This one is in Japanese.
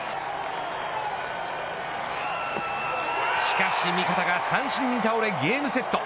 しかし、味方が三振に倒れゲームセット。